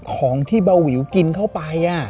ของที่เบาวิวกินเข้าไป